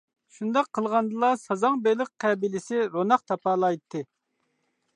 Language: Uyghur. شۇنداق قىلغاندىلا سازاڭ بېلىق قەبىلىسى روناق تاپالايتتى.